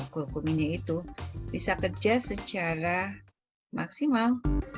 kulkuminnya itu bisa kerja secara maksimal